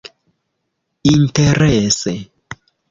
interese